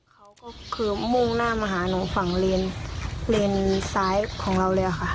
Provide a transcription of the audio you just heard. เขาก็คือมุ่งหน้ามาหาหนูฝั่งเลนซ้ายของเราเลยค่ะ